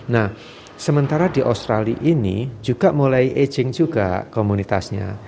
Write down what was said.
nah sementara di australia ini juga mulai aging juga komunitasnya